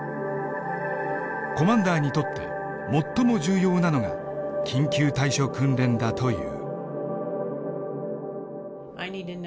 コマンダーにとって最も重要なのが緊急対処訓練だという。